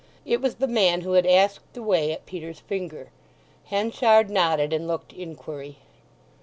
It was the man who had asked the way at Peter's Finger. Henchard nodded, and looked inquiry.